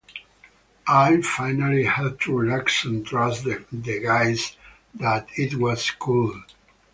I finally had to relax and trust the guys that it was cool.